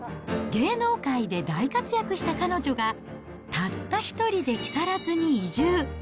芸能界で大活躍した彼女が、たった一人で木更津に移住。